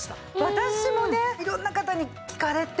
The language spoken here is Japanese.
私もね色んな方に聞かれて。